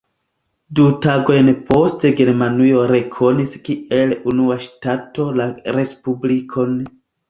Du tagojn poste Germanio rekonis kiel unua ŝtato la Respublikon.